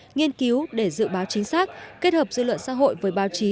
nghiên cứu để dự báo chính xác kết hợp dư luận xã hội với báo chí